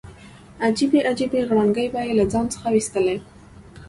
عجیبې عجیبې غړانګې به یې له ځان څخه ویستلې.